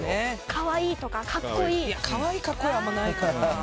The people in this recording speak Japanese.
可愛い、格好いいはあまりないかな。